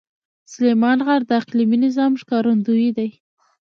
سلیمان غر د اقلیمي نظام ښکارندوی دی.